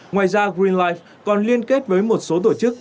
ngoài ra green life còn liên kết với một số tổ chức